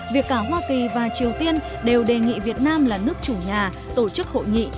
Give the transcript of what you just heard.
việc cả hoa kỳ và triều tiên đều đề nghị việt nam là nước chủ nhà tổ chức hội nghị